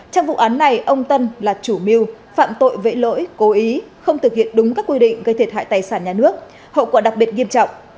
trong vụ án này ông tân là chủ mưu phạm tội vệ lỗi cố ý không thực hiện đúng các quy định gây thiệt hại tài sản nhà nước hậu quả đặc biệt nghiêm trọng